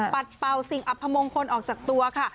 เป่าสิ่งอัพมงคลออกจากตัวค่ะ